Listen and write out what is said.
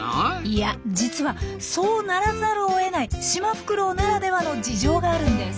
いや実はそうならざるをえないシマフクロウならではの事情があるんです。